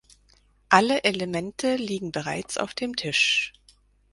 Alle Elemente liegen bereits auf dem Tisch.